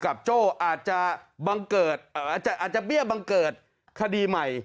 กับโจ้อาจจะเบี้ยบังเกิดคดีใหม่